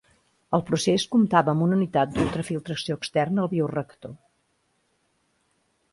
El procés comptava amb una unitat d'ultrafiltració externa al bioreactor.